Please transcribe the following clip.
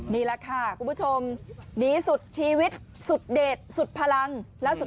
นี่แหละค่ะคุณผู้ชมดีสุดชีวิตสุดเด็ดสุดพลังแล้วสุด